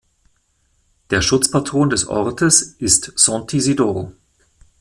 Der Schutzpatron des Ortes ist Sant’Isidoro.